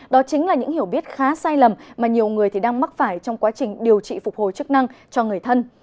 đó chính là những hiểu biết khá sai lầm mà nhiều người thì đang mắc phải trong quá trình điều trị phục hồi chức năng cho người thân